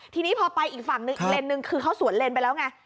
ทีนี้พอไปอีกฝั่งหนึ่งอีกเลนหนึ่งคือเขาสวนเลนไปแล้วไง